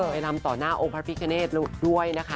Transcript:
ไปรำต่อหน้าองค์พระพิเกณฑ์ด้วยนะคะ